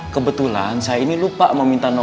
kebetulan saya ini lupa meminta